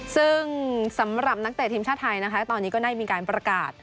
ซึ่งสำหรับนักเตะทีมชาติไทยนะคะตอนนี้ก็ได้มีการประกาศ